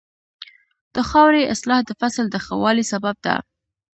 د خاورې اصلاح د فصل د ښه والي سبب ده.